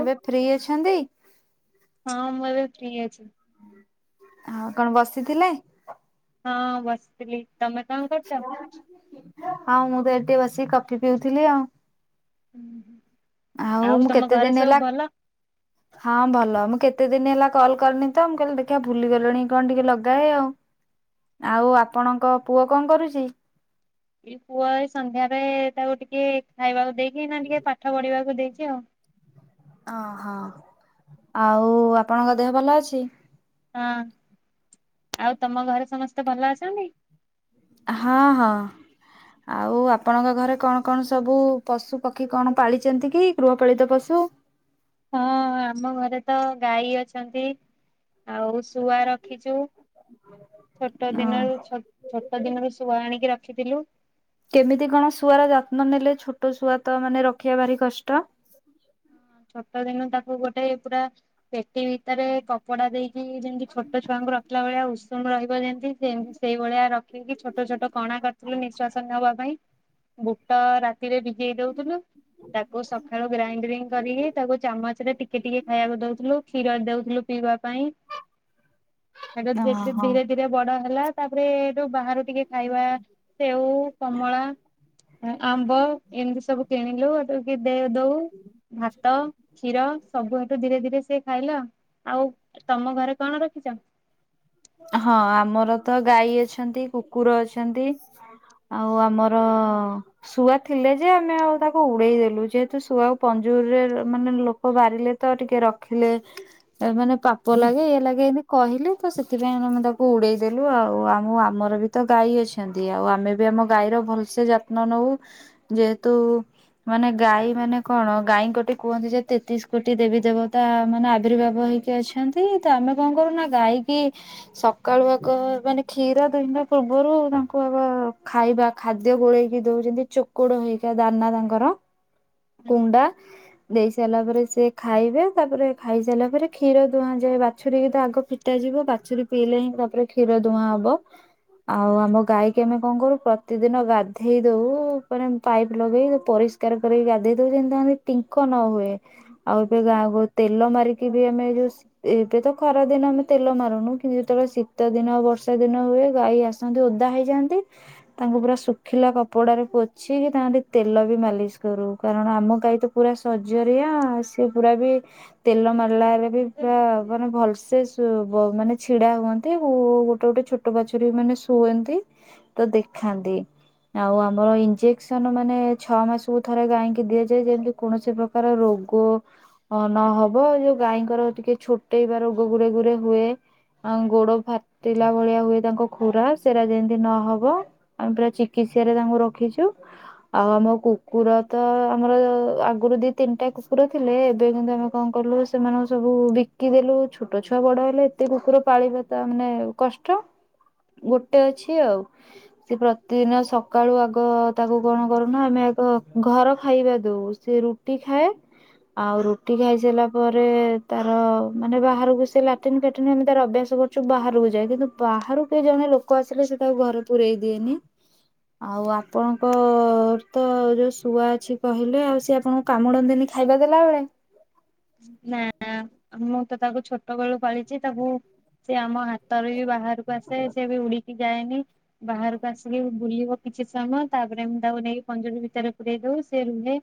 ଏବେ ଫ୍ରି ଅଛନ୍ତି? ହଁ ମୁଁ ଏବେ ଫ୍ରିରି ଅଛି। ହଁ କଣ ବସିଥିଲେ ହଁ ବସିଥିଲି। ତମେ କଣ କରୁଛ? ହଁ ମୁଁ ତ ଏଠି ବସିକି କଫି୍ ପିଉଥିଲି ଆଉ। ହୁଁ ହୁଁ। ଆଉ ମୁଁ କେତେ ଦିନି ହେଲା ହଁ ଭଲ ମୁଁ କେ କେତେ ଦିନ ହେଲା କଲ୍ କରିନି ତ ମୁଁ କହିଲି ଦେଖିବା ଭୁଲି ଗଲେଣି ନା କଣ ଟିକେ ଲଗାଏ ଆଉ। ଆଉ ଆପଣଙ୍କ ପୁଅ କଣ କରୁଛି? ପୁଅ ଏଇ ସନ୍ଧ୍ୟାରେ ତାକୁ ଟିକେ ଖାଇବାକୁ ଦେଇକି ଏଇନା ଟିକେ ପାଠ ପଢିବାକୁ ଦେଇଛି। [unintelligible] ଓହୋ ଆଉ ଆପଣଙ୍କ ଦେହ ଭଲ ଅଛି। ହଁ ଆଉ ତମ ଘରେ ସମସ୍ତେ ଭଲ ଅଛନ୍ତି। ହଁ ହଁ ଆଉ ଆପଣଙ୍କ ଘରେ କଣ କଣ ସବୁ ପଶୁ ପକ୍ଷୀ କଣ ପାଳିଛନ୍ତି କି ଗୃହପାଳିତ ପଶୁ? ହଁ ଆମ ଘରେ ତ ଗାଈ ଅଛନ୍ତି। ଆଉ ଶୁଆ ରଖିଛୁ, ଛୋଟ ଓ ଦିନରୁ ଛୋଟ ଦିନରୁ ଶୁଆ ଆଣିକି ରଖିଥିଲୁ। କେମିତି କଣ ଶୁଆର ଯତ୍ନ ନେଲେ ଛୋଟ ଶୁଆ ତ ମାନେ ରଖିବା ଭାରି କଷ୍ଟ। ହଁ ଛୋଟ ଦିନ ତାକୁ ଗୋଟେ ପୁରା ପେଟି ଭିତରେ କପଡା ଦେଇକି ଯେମିତି ଛୋଟ ଛୁଆଙ୍କୁ ରଖିଲା ଭଳିଆ ଉଶୁ ରହିବ ଯେମିତି ସେଇ ଭଳିଆ ରଖିକି ଛୋଟ ଛୋଟ କଣା କରିଥିଲୁ ନିଶ୍ବାସ ନେବା ପାଇଁ। ବୁଟ ରାତିରେ ଭିଜେଇ ଦଉଥିଲୁ ତାକୁ ସକାଳୁ ଗ୍ରାଇଣ୍ଡିଙ୍ଗ କରିକି ତାକୁ ଚାମଚ ରେ ଟିକେ ଟିକେ ଖାଇବାକୁ ଦଉଥିଲୁ କ୍ଷୀର ଦଉଥିଲୁ ପିଇବା ପାଇଁ । ସେଠୁ ଓହୋ। ଧୀରେ ଧୀରେ ବଡ ହେଲା। ତାପରେ ଯ ବାହାରୁ ଟିକେ ଖାଇବା ସେଉ, କମଳା, ଆମ୍ବ ଏମିତି ସବୁ କିଣିଲୁ ହେଠୁ। [unintelligible] ଭାତ, କ୍ଷୀର ସବୁ ହେଠୁ ଧୀରେ ଧୀରେ ସେ ଖାଇଲା? ଆଉ ତମ ଘରେ କଣ ରଖିଛଚ? ହଁ ଆମର ତ ଗାଈ ଅଛନ୍ତି କୁକୁର ଅଛନ୍ତି ଆଉ ଆମର ଶୁଆ ଥିଲେ ଯେ ଆମେ ଆଉ ତାକୁ ଉଡେଇ ଦେଲୁ ଯେହେତୁ ଶୁଆକୁ ପଞ୍ଜୁରୀରେ ମାନେ ଲୋକ ବାରିଲେ ତ ଟିକେ ରଖିଲେ ମାନେ ପାପ ଲାଗେ ଇଏ ଲାଗେ ଏମିତି କହିଲେ ତ ସେ ଥିପାଇଁ ଆମେ ତାକୁ ଉଡେଇ ଦେଲୁ ଆଉ ଆମ ଆମର ବି ତ ଗାଈ ଅଛନ୍ତି। ଆଉ ଆମେ ବି ଆମ ଗାଈର ଭଲସେ ଯତ୍ନ ନଉ ଯେହେତୁ ମାନେ ଗାଈ ମାନେ କଣ ଗାଈଙ୍କ ଟି କୁହନ୍ତି । ଯେ ତେତିଶ କୋଟି ଦେବୀ ଦେବତା ମାନେ ଆବିର୍ଭାବ ହେଇକି ଅଛନ୍ତି। ତ ଆମେ କଣ କରୁ ନା ଗାଈ କି ସକାଳୁ ଆଗ ମାନେ କ୍ଷୀର ଦୁହିଁଲା ପୂର୍ବରୁ ତାଙ୍କୁ ଆଗ ଖାଇବା ଖାଦ୍ୟ ଗୋଳେଇକି ଦୋଉଛନ୍ତି ନ୍ତି ଚୋକଡ ହେ କା ଦାନା ତାଙ୍କର କୁଣ୍ଡା ଦେଇ ସାରିଲା ପରେ ସେ ଖାଇବେ ତାପରେ ଖାଇସାରିଲା ପରେ କ୍ଷୀର ଦୁହାଁ ଯାଏ ବାଛୁରୀ କି ତ ଆଗ ଫିଟା ଯିବ ବାଛୁରୀ ପିଇଲେ ହିଁ ତାପରେ କ୍ଷୀର ଦୁହାଁ ହବ ଆଉ ଆମ ଗାଈକ ଆମେ କଣ କରୁ ପ୍ରତିଦିନ ଗାଧେଇ ଦଉ ପୁରା ଏମିତି ପାଇପ୍ ଲଗେଇ ପରିଷ୍କାର କରେଇ ଗା ତେଲ ମାରିକି ବି ଆମେ ଯୋଉ ଏବେ ତ ଖରା ଦିନ ଆମେ ତେଲ ମାରୁନୁ କିନ୍ତୁ ଯେତେବେଳେ ଶୀତ ଦିନ ବର୍ଷା ଦିନ ହୁଏ ଗାଈ ଆସନ୍ତି ଓଦା ହେଇଯାଆନ୍ତି ତାଙ୍କୁ ପୁରା ଶୁଖିଲା କପଡାରେ ପୋଛିକି ତାଙ୍କଠି ତେଲ ବି ମାଲିସ କରୁ । କରଣ ଆମ ଗାଈ ତ ପୁରା ସରଜରିଆ ସିଏ ପୁରା ବି ତେଲ ମାରିଲାବେଳେ ବି ପୁରା ମାନେ ଭଲସେ ଶୋ ବ ମାନେ ଛିଡା ହୁଅନ୍ତି ଗୋ ଗୋଟେ ଗୋଟେ ଛୋଟ ବାଛୁରୀ ମାନେ ଶୁଅନ୍ତି ତ ଦେଖାନ୍ତି ଆଉ ଆମର ଇଞ୍ଜେକ୍ସନ ମାନେ ଛଅ ମାସକୁ ଥରେ ଗାଈଙ୍କି କି ଦିଆଯାଏ ଯେମିତି କୌଣସି ପ୍ରକାର ରୋଗ ଅ ନହବ ଯୋଉ ଗାଈଙ୍କର ଟିକେ ଛୋଟେଇବା ରୋଗ ଗୁରେ ଗୁରେ ହୁଏ ଆଂ ଗୋଡ ଫାଟିଲା ଭଳିଆ ହୁଏ ତାଙ୍କ ଖୁରା ସେରା ଯେମିତି ନହବ ଆମେ ପୁରା ଚିକିତ୍ସାରେ ତାଙ୍କୁ ରଖିଛୁ ଆଉ ଆମ କୁକୁର ତ ଆମର ଆଗରୁ ଦି ତିନିଟା କୁକୁର ଥିଲେ ଏବେ କିନ୍ତୁ ଆମେ କଁ କଲୁ ସେମାନଙ୍କୁ ସବୁ ବିକିଦେଲୁ ଛୋଟ ଛୁଆ ବଡ ହେଲେ ଏତେ କୁକୁର ପାଳିବା ତାମାନେ କଷ୍ଟ ଗୋଟେ ଅଛି ଆଉ ସେ ପ୍ରତିଦିନ ସକାଳୁ ଆଗ ତାକୁ କଣ କରୁନା ଆମେ ଆଗ ଘର ଖାଇବା ଦଉ ସେ ରୁଟି ଖାଏ ଆଉ ରୁଟି ଖାଇସାରିଲା ପରେ ତାର ମାନେ ବାହାରକୁ ସେ ଲ। ଟିନ ଫାଟିନ୍ ଆମେ ତାର ଅଭ୍ୟାସ କରିଛୁ ବାହାରକୁ ଯାଏ କିନ୍ତୁ ବାହାରୁ କେହି ଜଣେ ଲୋକ ଆସିଲେ ସେ ତାକୁ ଘରେ ପୂରେଇ ଦିଏନି ଆଉ ଆପଣଙ୍କ ତ ରେସ୍ ତୁଆ ଅଛି କହିଲେ ଆଉ ସେ ଆପଣଙ୍କୁ କାମୁଡନ୍ତିନି ଖାଇବାକୁ ଦେଲା ବେଳେ? ନା [unintelligible] ମୁଁ ତ ତାକୁ ଛୋଟ ବେଳୁ ପାଳିଛି ତାକୁ ସେ ଆମ ହାତରେ ବି ବାହାରକୁ ଆସେ ସେ ବି ଉଡିକି ଯାଏନି । ବାହାରକୁ ଆସିକି ବୁଲିବ କିଛି ସମୟ ତାପରେ ମୁଁ ତାକୁ ନେଇକି ପଞ୍ଜୁରୀ ଭିତରେ ପୁରେଇ ଦଉ ସେ ରୁହେ।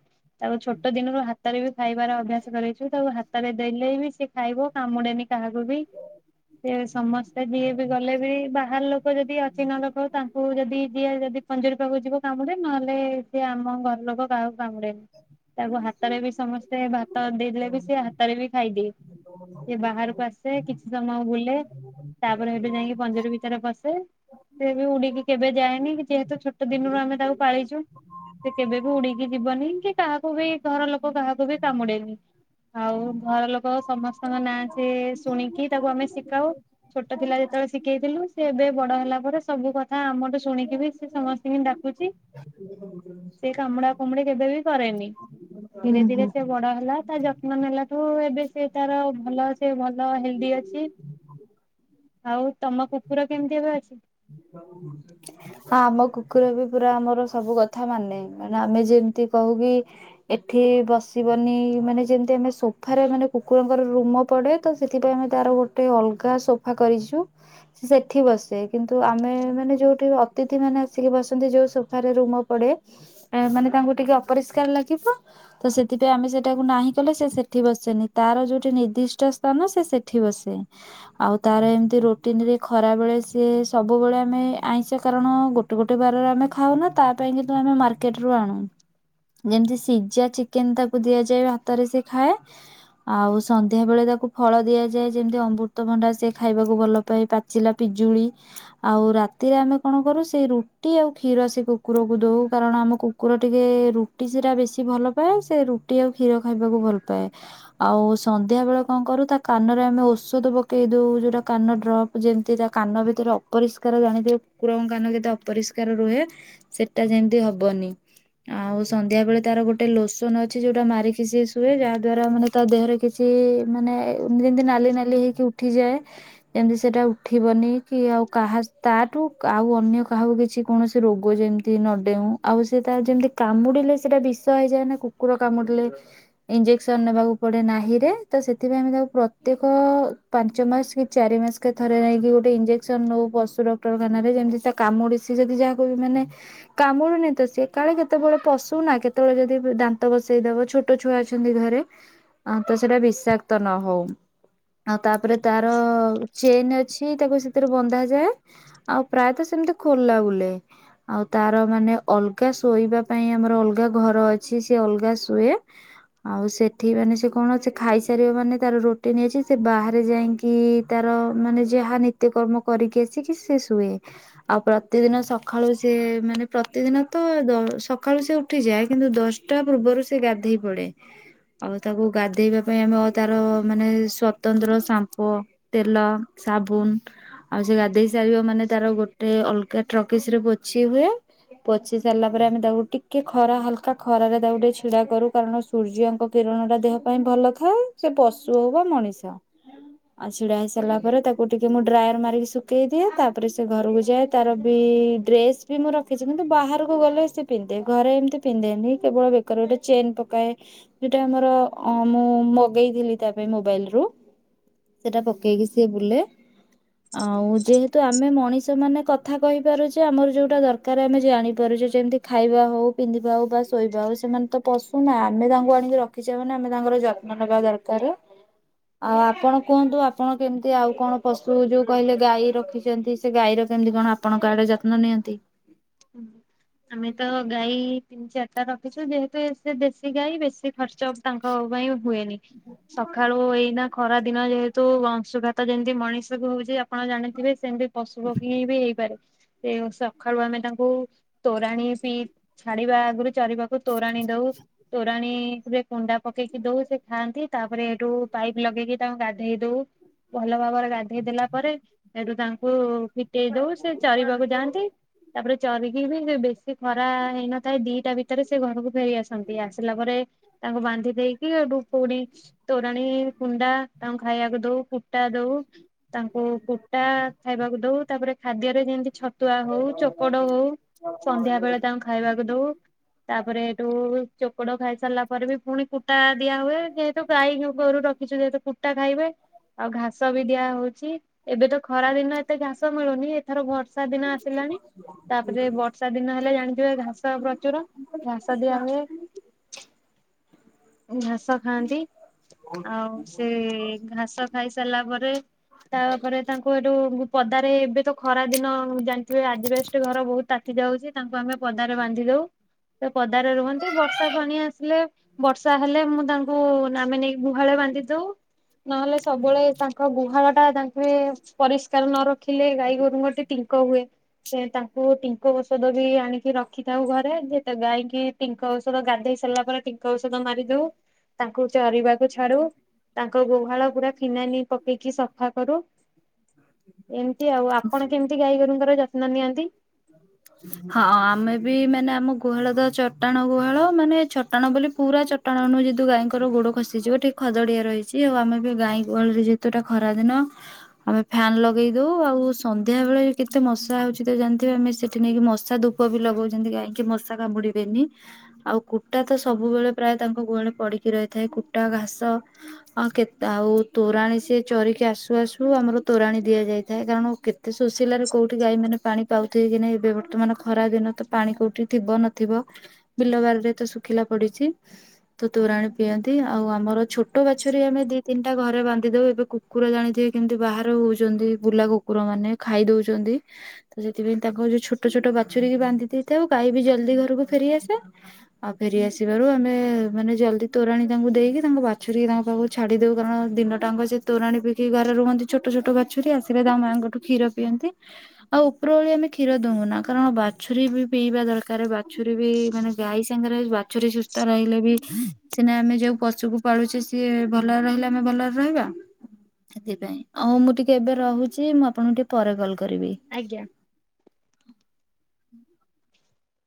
ତାକୁ ଛୋଟ ଦିନରୁ ହା ତାର ବି ଖାଇବାର ଅଭ୍ୟାସ କରେଇ ତାକୁ ହାତରେ ଦେଲେ ବି ସେ ଖାଇବ କାମୁଡେନି କାହାକୁ ବି ସେ ସମସ ଯିଏ ବି ଗଲେ ବି ବାହାର ଲୋ କୋ ଯଦି ଅଚିହ୍ନା ଲୋକ ତାଙ୍କୁ ଯଦି ଯିଏ ଯଦି ଯିଏ ଯଦି ପଞ୍ଜୁରୀ ପାଖୁ ଯିବ କାମୁଡ଼େ ନହେଲେ ସିଏ ଆମ ଘର ଲୋକ କାହାକୁ କାମୁଡ଼େନି ତାକୁ ହାତରେ ବି ସମସ୍ତେ ଭାତ ଦେଇଦେଲେ ସେ ହାତରେ ବି ଖାଇଦିଏ ସେ ବାହାରକୁ ଆସେ କିଛି ସମୟ ବୁଲେ ତାପରେ ହେଟୁ ଯାଇକି ପଞ୍ଜୁରୀ ଭିତରେ ପସେ ସେ ବି ଉଡିକି କେବେ ଯାଏନି ଯେହେତୁ ଛୋଟ ଦିନରୁ ଆମେ ତାକୁ ପାଳିଛୁ ସେ କେବେ ବି ଉଡିକି ଯିବନି କି କାହାକୁ ବି ଘର ଲୋକ କାହାକୁ ବି କାମୁଡେନି। ଆଉ ଘର ଲୋକ ସମସ୍ତଙ୍କ ନାଁ ସେ ଶୁଣିକି ତାକୁ ଆମେ ଶିଖାଉ ଛୋଟ ଥିଲା ଯେତେବେଳେ ଶିଖେଇଥିଲୁ ସେ ଏବେ ବଡ ହେଲା ପରେ ସବୁ କଥା ଆମଠୁ ଶୁଣିକି ବି ସେ ସମସ୍ତିଙ୍କି ଡାକୁଛି ସେ କାମୁଡା କାମୁଡି କେବେ ବି କରେନି। ହୁଁ ଧୀରେ ଧୀରେ ହୁଁ। ସେ ବଡ ହେଲା। ତା ଯତ୍ନ ନେଲା ଠୁ ଏବେ ସେ ତାର ଭଲ ସେ ଭଲ ନ ହିନ୍ଦୀ ଅଛି। ଆଉ ତମ କୁକୁର କେମିତି ଏବେ ଅଛି? ହଁ ଆମ କୁକୁର ବି ପୁରା ଆମର ସବୁ କଥା ମାନେ ମାନେ ଆମେ ଯେମତି କହୁ କି ଏଠି ବସିବନି ମାନେ ଯେମତି ଆମେ ସୋଫାରେ ମାନେ କୁକୁରଙ୍କର ରୁମ ପଡ଼େ ତ ସେଥିପାଇଁ ଆମେ ତାର ଗୋଟେ ଅଲଗା ସୋଫା କରିଛୁ ସେ ସେଠି ବସେ କିନ୍ତୁ ତ ଆମେ ମାନେ ଯୋଉଠି ଅତିଥି ମାନେ ଆସିକି ବସନ୍ତି ଯୋଉ ସୋଫାରେ ରୁମ ପଡେ ଆ ମାନେ ତାଙ୍କୁ ଟିକେ ଅପରିଷ୍କାର ଲାଗିବ ତ ସେଥିପାଇଁ ଆମେ ସେଟାକୁ ନାହିଁ କଲେ ସେ ସେଠି ବସେନି ତାର ଯୋଉଠି ନିର୍ଦ୍ଦିଷ୍ଟ ସ୍ଥାନ ସେ ସେଠି ବସେ ଆଉ ତାର ଏମିତି ରୁଟିନରେ ଖରା ବେଳେ ସେ ସବୁବେଳେ ଆମେ ଆଇଁଷ କାରଣ ଗୋଟେ ଗୋଟେ ବାରରେ ଆମେ ଖାଉନା ତା ପାଇଁ କିନ୍ତୁ ଆମେ ମାର୍କେଟରୁୁ ଆଣୁ ଯେମତି ସିଜା ଚିକେନ୍ ତାକୁ ଦିଆଯାଏ ଭାତରେ ସିଏ ଖାଏ ଆଉ ସନ୍ଧ୍ୟା ବେଳେ ତାକୁ ଫଳ ଦିଆଯାଏ ଯେମତି ଅମ୍ବୁରତଭଣ୍ଡା ସିଏ ଖାଇବାକୁ ଭଲ ପାଏ ପାଚିଲା ପିଜୁଳି। ଆଉ ରାତିରେ ଆମେ କଣ କରୁ ସେଇ ରୁଟି ଆଉ କ୍ଷୀର ସେ କୁକୁରକୁ ଦଉ କାରଣ ଆମ କୁକୁର ଟିକେ ରୁଟି ସେଟା ବେଶି ଭଲ ପାଏ ସେ ରୁଟି ଆଉ କ୍ଷୀର ଖାଇବାକୁ ଭଲ ପାଏ ଆଉ ସନ୍ଧ୍ୟା ବେଳେ କଣ କରୁ ତା କାନରେ ଆମେ ଔଷଧ ପକେଇ ଦଉ ଯୋଉଟା କାନ ଡ୍ରପ୍ ଯେମିତି ତା କାନ ଭି ଭିତରେ ଅପରିଷ୍କାର ଜାଣିଥିବେ କୁକୁରଙ୍କ କାନ କେତେ ଅପରିଷ୍କାର ରୁହେ ସେଟା ଯେମିତି ହବନି ଆଉ ସନ୍ଧ୍ୟା ବେଳେ ତାର ଗୋଟେ ଲୋସନ ଅଛି ଯୋଉଟା ମାରିକି ସିଏ ଶୁଏ ଯାହା ଦ୍ଵାରା ମାନେ ତା ଦେହରେ କିଛି ମାନେ ଯେମିତି ନାଲି ନାଲି ହେଇକି ଉଠିଯାଏ ଯେମିତି ସେଟା ଉଠିବନି। କି ଆଉ କାହା ତାଠୁ କା ଆଉ ଅନ୍ୟ କାହାକୁ କିଛି କୌଣସି ରୋଗ ଯେମିତି ନ ଡେଉଁ ଆଉ ସେ ତା ଯେମିତି କାମୁଡିଲେ ସେଟା ବିଷ ହେଇଯାଏ ନା କୁକୁର କାମୁଡିଲେ ଇଞ୍ଜେକ୍ସନ ନେବାକୁ ପଡେ ନାହି ରେ ତ ସେଥିପାଇଁ ଆମେ ତାକୁ ପ୍ରତ୍ୟେକ ପାଞ୍ଚ ମାସ କି ଚାରି ମାସକେ ଥରେ ନେଇକି ଗୋଟେ ଇଞ୍ଜେ ସେ ନଉ ପଶୁ ଡକ୍ଟରଖାନାରେ ଯେମିତି ତା କାମୁଡି ସିଏ ଯଦି ଯାହାକୁ ବି ମାନେ କାମୁଡୁନି ତ ସିଏ କାଳେ କେତେବେଳେ ପଶୁନା କେତେବେଳେ ଯଦି ଦ-ଦାନ୍ତ ପଷେଇ ଦେବ ଛୋଟ ଛୁଆ ଅଛନ୍ତି ଘରେ ଅଁ ତ ସେଇଟା ବିଷାକ୍ତ ନହଉ। ଆଉ ତାପରେ ତାର ଚେନ୍ ଅ [unintelligible] ସେଥିରେ ବନ୍ଧା ଯାଏ ଆଉ ପ୍ରାୟତଃ ସେମିତି ଖୋଲା ବୁଲେ ଆଉ ତାର ମାନେ ଅଲଗା ଶୋଇବା ପାଇଁ ଆମର ଅଲଗା ଘର ଅଛି ସେ ଅଲଗା ଶୁଏ ଆଉ ସେଠି ମାନେ ସେ କଣ ସେ ଖାଇସାରିବ ମାନେ ତାର ରୁଟିନ ଅଛି ସେ ବାହାରେ ଯାଇକି ତାର ମାନେ ଯାହା ନିତ୍ୟକର୍ମ କରିକି ଆସିକି ସେ ଶୁଏ ଆଉ ପ୍ରତିଦିନ ସକାଳୁ ସେ ମାନେ ପ୍ରତିଦିନ ତ ସକାଳୁ ସେ ଉଠିଯାଏ କିନ୍ତୁ ଦଶଟା ପୂର୍ବରୁ ସେ ଗାଧେଇ ପଡ଼େ ଆଉ ତାକୁ ଗାଧେଇବା ପାଇଁ ଆମେ ତାର ମାନେ ସ୍ଵତନ୍ତ୍ର ସାମ୍ପୋ ତେଲ ସାବୁନ ଆଉ ସେ ଗାଧେଇ ସାରିବା ମାନେ ତାର ଗୋଟେ ଅଲଗା ଟ୍ରକିସ ରେ ପୋଛି ହୁଏ ପୋଛି ସାରିଲା ପରେ ଆମେ ତାକୁ ଟିକେ ଖରା ହାଲକା ଖରାରେ ତାକୁ ଟେ ଛିଡା କରୁ କାରଣ ସୂର୍ଯ୍ୟଙ୍କ କିରଣ ଟା ଦେହ ପାଇଁ ଭଲ ଥାଏ ସେ ପଶୁ ହଉ ବା ମଣିଷ ଆଉ ଛିଡା ହେଇ ସାରିଲା ପରେ ତାକୁ ଟିକେ ମୁଁ ଡ୍ରାୟାର ମାରିକି ଶୁଖେଇ ଦିଏ ତାପରେ ସେ ଘରକୁ ଯାଏ ତାର ବି ଡ୍ରେସ ବି ମୁଁ ରଖିଛି କିନ୍ତୁ ବାହାରକୁ ଗଲେ ସେ ପିନ୍ଧେ ଘରେ ଏମିତି ପିନ୍ଧେନି କେବଳ ବେକରେ ଗୋଟେ ଚେନ ପକାଏ ଯୋଉଟା ଆମର ମୁଁ ମଗେଇଥିଲି ତା ପାଇଁ ମୋବାଇଲ ରୁ ସେଟା ପକେଇକି ସିଏ ବୁଲେ। ଆଉ ଯେହେତୁ ଆମେ ମଣିଷ ମାନେ କଥା କହିପାରୁଛେ ଆମର ଯୋଉଟା ଦରକାର ଆମେ ଜାଣିପାରୁଛେ ଯେମିତି ଖାଇବା ହଉ ପିନ୍ଧିବା ହଉ ବା ଶୋଇବା ହଉ ସେମାନେ ତ ପଶୁନା ଆମେ ତାଙ୍କୁ ଆଣିକି ରଖିଛ ନା ଆମେ ତାଙ୍କର ଯତ୍ନ ନେବା ଦରକାର। ଆଉ ଆପଣ କୁହନ୍ତୁ ଆପଣ କେମିତି ଆଉ କଣ ପଶୁ ଯୋଉ କହିଲେ ଗାଈ ରଖିଛନ୍ତି ସେ ଗାଈର କେମିତି କଣ ଆପଣଙ୍କ ଆଡେ ଯତ୍ନ ନିଅନ୍ତି? ଆମେ ତ ଗାଈ ତିନି ଚାର ରଖିଛୁ ଯେହେତୁ ଏ ଦେଶୀ ଗାଈ ବେଶୀ ଖର୍ଚ୍ଚ ତାଙ୍କ ପାଇଁ ହୁଏନି ସକାଳୁ ଏଇନା ଖରା ଦିନ ଯେହେତୁ ଅଂଶୁଘାତ ଯେମିତି ମଣିଷକୁ ହଉଛି ଆପଣ ଜାଣିଥିବେ ସେମିତି ପଶୁ ପକ୍ଷୀ ବି ହେଇପାରେ। ସେ ସକାଳୁ ଆମେ ତାଙ୍କୁ ତୋରାଣ ପି ଛାଡିବା ଆଗରୁ ଚରିବା ତୋରାଣି ଦଉ। ପାଣୀ ରେ କୁଣ୍ଡା ପକେଇକି ଦଉ ସେ ଖାଆନ୍ତି ତାପରେ ଏଠୁ ପାଇପ ଲଗେଇକି ତାଙ୍କୁ ଗାଧେଇ ଦଉ ଭଲ ଭାବରେ ଗାଧେଇ ଦେଲା ପରେ ସେଠୁ ତାଙ୍କୁ ଫିଟେଇ ଦଉ ସେ ଚାରିବାକୁ ଯାଆନ୍ତି। ତାପରେ ଚରିକି ବି ବେଶୀ ଖରା ହେଇନଥାଏ ଦିଟା ଭିତରେ ସେ ଘରକୁ ଫେରି ଆସନ୍ତି ଆସିଲା ପରେ ତାଙ୍କୁ ବାନ୍ଧି ଦେଇକିଠୁ ପୁଣି ତୋରାଣୀ କୁଣ୍ଡା ତାଙ୍କୁ ଖାଇବାକୁ ଦଉ କୁଟା ଦଉ ତାଙ୍କୁ କୁଟା ଖାଇବାକୁ ଦଉ ତାପରେ ଖାଦ୍ୟରେ ଯେମିତି ଛ ତୁଆ ହଉ ଚ ହଉ ସନ୍ଧ୍ୟା ବେଳେ ତାଙ୍କୁ ଖାଇବାକୁ ଦଉ ତାପରେ ଏଇଠୁ ଚୋକଡ ଖାଇସାରିଲା ପରେ ବି ପୁଣି କୁଟା ଦିଆ ହୁଏ ଯେହେତୁ ଗାଈ ଗୋରୁ ରଖିଛୁ ଯେହେତୁ କୁଟା ଖାଇବେ ଆଉ ଘାସ ବି ଦିଆ ହଉ ଜି [inaudible] ଏବେ ତ ଖରା ଦିନ ଏତେ ଘାସ ମିଳୁନି। ଏଥର ଘ ବର୍ଷା ଦିନ ଆସିଲାଣି ତାପରେ ବର୍ଷା ଦିନ ହେଲେ ଜାଣିଥିବେ ଘାସ ପ୍ରଚୁର ଘାସ ଦିଆ ହୁଏ ଘାସ ଖାଆନ୍ତି ଆଉ ସେ ଘାସ ଖାଇସାରିଲା ପରେ ତାପରେ ତାଙ୍କୁ ଏଠୁ ପଦାରେ ଏବେ ତ ଖରା ଦିନ ଜାଣି ଥେ ଆଜି ବେ ବ ତାତି ଯାଉଛି ତାଙ୍କୁ ଆମେ ପଦାରେ ବାନ୍ଧି ଦଉ ସେ ପଦାରେ ରୁହନ୍ତି ବର୍ଷା ପଣି ଆସିଲେ ବର୍ଷା ହେଲେ ମୁଁ ତାଙ୍କୁ ଆମେ ନେଇକି ଗୁହାଳ ବାନ୍ଧି ଦଉ ନହେଲେ ସବୁବେଳେ ତାଙ୍କ ଗୁହାଳ ଟା ତାଙ୍କରେ ପରିଷ୍କାର ନ ରଖିଲେ ଗାଈ ଗୋରୁଙ୍କଟିେ ଟିଙ୍କ ହୁଏ। ସେ ତାଙ୍କୁ ଟିଙ୍କ ଔଷଧ ବି ଆଣିକି ରଖିଥାଉ ଘରେ ଯେତ ଗାଈକି ଟିଙ୍କ ଔଷଧ ଗାଧେଇ ସାରିଲା ପରେ ଟିଙ୍କ ଔଷଧ ମାରି ଦଉ ତାଙ୍କୁ ଚରିବାକୁ ଛଡୁ ତାଙ୍କ ଗୋହାଳ ପୁରା ଫିନାଇଲ ପକେଇକି ସଫା କରୁ। ଏମତି ଆଉ ଆପଣ କେମିତି ଗାଈ ଗୋରୁଙ୍କର ଯତ୍ନ ନନ୍ଦି ଆନ୍ତିି [unintelligible] ହଁ ଆମେ ବି ମାନେ ଆମ ଗୁହାଳ ତ ଚଟାଣ ଗୁହାଳ ମାନେ ଚଟାଣ ବୋଲି ପୁରା ଚଟାଣ ନୁହଁ ଯେହେତ ଗଈଙ୍କର ଗୋଡ ଖସିଯିବ ଟ [unintelligible] ଏଠ ନେଇକି ମଶା ଧୂପ ବି ଲଗାଉଛନ୍ତି ଗାଈ କିି ମଶା କାମୁଡିବେନି ଆଉ କୁଟା ତ ସବୁବେଳେ ପ୍ରାୟ ତାଙ୍କ ଗୁହାଳ ପଡିକି ରହିଥାଏ କୁଟା ଘାସ ଆଉ କେ ଆଉ ତୋରାଣ ସି ଚରିକି ଆସୁ ଆସୁ ଆମର ତୋରାଣ ଦିଆଯାଇଥାଏ କାରଣ କେତେ ଶୋଷିଲାରେ କୋଉଠି ଗାଈ ମାନେ ପାଣି ପାଉଥିବେ କି ନାହିଁ ଏବେ ବର୍ତ୍ତମାନ ଖରା ଦିନ ତ ପାଣି କୋଉଠି ଥିବ ନଥିବ ବିଲବାରରେ ତ ଶୁଖିଲା ପଡିଛି ତ ତୋରାଣ ପିଅନ୍ତି ଆଉ ଆମର ଛୋଟ ବାଛୁରୀ ଆମେ ଦି ତିନିଟା ଘରେ ବାନ୍ଧି ଦଉ ଏବେ କୁକୁର ଜାଣିଥିବେ କେମିତି ବାହହାର ହଉଛନ୍ତି ବୁଲା କୁକୁର ମାନେ ଖାଇ ଦଉଛନ୍ତି ତ ସେଥିପାଇଁ ତାଙ୍କ ଯଉ ଛୋ ଛଟ ଛୋଟ ବାଛୁରୀ କି ବାନ୍ଧି ଦେଇଥାଉ ଗାଈ ବି ଜଲ୍ଦି ଘରକୁ ଫେରିଆସେ ଆଉ ଫେରି ଆସିବାରୁ ଆମେ ମାନେ ଜଲଦି ତୋରାଣୀ ତାଙ୍କୁ ଦେଇକି ତାଙ୍କ ବାଛୁରୀ ତାଙ୍କ ପାଖକୁ ଛାଡି ଦଉ କାରଣ ଦିନ ଟାଙ୍କ ସେ ତୋରାଣୀ ପିଇିକି ଘରେ ରୁହନ୍ତି ଛୋଟ ଛୋଟ ବାଛୁରୀ ଆସିବେ ତା ମାଆଙ୍କଠୁ କ୍ଷୀର ପିଅନ୍ତି ଆଉ ଉପରଳି ଆମେ କ୍ଷୀର ଦଉନା କାରଣ ବାଛୁରୀ ବି ପିଇବା ଦରକାର ବାଛୁରୀ ବି ମାନେ ଗାଈ ସାଙ୍ଗରେ ବାଛୁରୀ ସୁସ୍ଥ ରହିଲେ ବି ସିନା ଆମେ ଯୋଉ ପଶୁକୁ ପାଳୁଛେ ସିଏ ଭଲରେ ରହିଲେ ଆମେ ଭଲରେ ରହିବା ସେଥିପାଇଁ ଆଉ ମୁଁ ଟିକେ ଏବେ ରହୁଛି ମୁଁ ଆପଣଙ୍କୁ ଟିକେ ପରେ ଗଲ କରିବି ଆଜ୍ଞା।